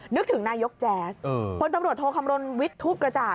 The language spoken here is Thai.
นึกถึงนายกเจสคนตำรวจโทรคำรวณวิทย์ทุกรจาค